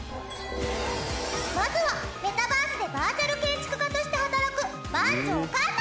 まずはメタバースでバーチャル建築家として働く番匠カンナさん。